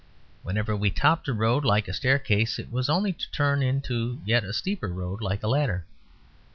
Whenever we topped a road like a staircase it was only to turn into a yet steeper road like a ladder.